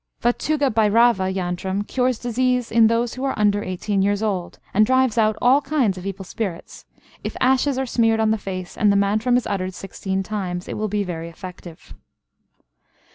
Vatugabhairava yantram cures disease in those who are under eighteen years old, and drives out all kinds of evil spirits. If ashes are smeared on the face, and the mantram is uttered sixteen times, it will be very effective.